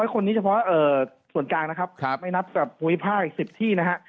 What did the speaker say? คนนี้เฉพาะส่วนกลางนะครับไม่นับกับภูมิภาคอีก๑๐ที่นะฮะ